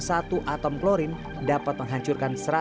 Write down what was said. satu atom klorin dapat menghancurkan